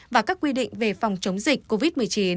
và các quy định về phòng chống dịch covid một mươi chín